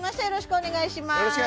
よろしくお願いします